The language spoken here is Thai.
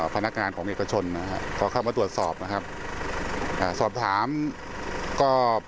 พนักงานของเอกชนนะฮะพอเข้ามาตรวจสอบนะครับอ่าสอบถามก็